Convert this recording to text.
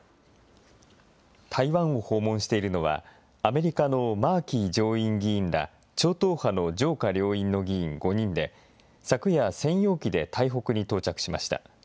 台湾を訪問しているのは、アメリカのマーキー上院議員ら、超党派の上下両院の議員５人で、昨夜、専用機で台北に到着しました。